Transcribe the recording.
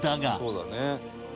「そうだね」